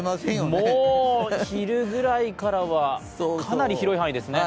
もう昼ぐらいからはかなり広い範囲ですね。